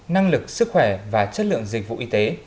năng lực sức khỏe và chất lượng dịch vụ y tế